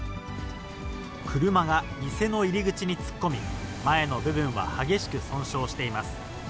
車が店の入り口に突っ込み、前の部分は激しく損傷しています。